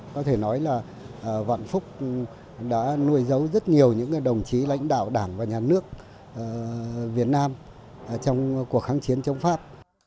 có thể nói là vạn phúc đã nuôi dấu rất nhiều những đồng chí lãnh đạo đảng và nhà nước việt nam trong cuộc kháng chiến chống pháp